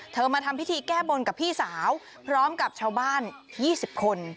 มาทำพิธีแก้บนกับพี่สาวพร้อมกับชาวบ้าน๒๐คน